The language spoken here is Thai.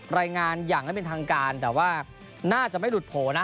รายงานอย่างไม่เป็นทางการแต่ว่าน่าจะไม่หลุดโผล่นะ